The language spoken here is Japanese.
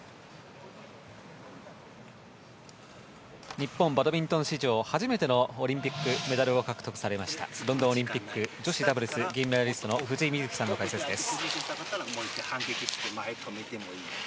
日本バドミントン史上初めてのオリンピックメダルを獲得されましたロンドンオリンピック女子ダブルス、銀メダリストの藤井瑞希さんの解説です。